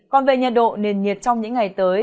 còn về nhiệt độ nền nhiệt trong những ngày tới